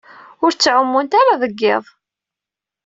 Ur ttɛumunt ara deg yiḍ.